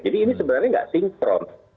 jadi ini sebenarnya tidak sinkron